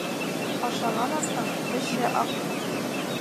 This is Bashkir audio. Ашаған аттың теше аҡ.